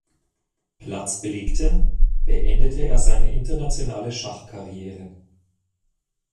Platz belegte, beendete er seine internationale Schachkarriere.